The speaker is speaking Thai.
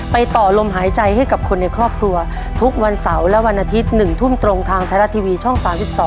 ต่อลมหายใจให้กับคนในครอบครัวทุกวันเสาร์และวันอาทิตย์๑ทุ่มตรงทางไทยรัฐทีวีช่อง๓๒